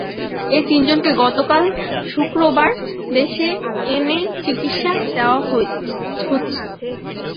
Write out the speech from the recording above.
এই তিনজনকে গতকাল শুক্রবার দেশে এনে চিকিৎসা দেওয়া হচ্ছে।